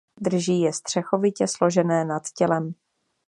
Drží je střechovitě složené nad tělem.